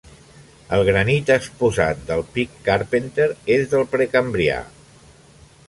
El granit exposat del Pic Carpenter és del precambrià.